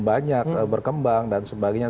banyak berkembang dan sebagainya